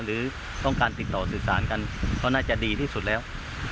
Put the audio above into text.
หรือต้องการติดต่อสื่อสารกันก็น่าจะดีที่สุดแล้ว